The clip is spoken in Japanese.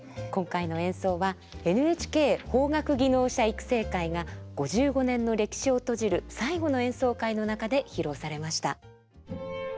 今回の演奏はＮＨＫ邦楽技能者育成会が５５年の歴史を閉じる最後の演奏会の中で披露されました。